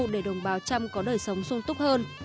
để đồng bào trăm có đời sống sung túc hơn